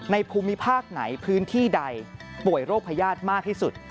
ภูมิภาคไหนพื้นที่ใดป่วยโรคพญาติมากที่สุด